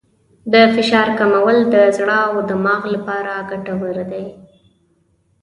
د فشار کمول د زړه او دماغ لپاره ګټور دي.